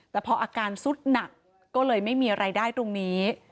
แต่พออาการสุดหนักก็เลยไม่มีรายได้ตรงนี้